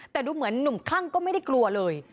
แต่ดูเหมือนหนุ่มคลั่งก็ไม่ได้กลัวเลย